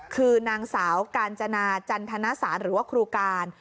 คือนางสาวกาญจนาจันทนสารหรือว่าครูการ